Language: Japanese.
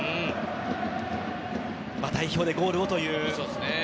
代表でゴールをという。